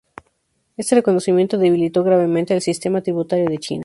Este reconocimiento debilitó gravemente el sistema tributario de China.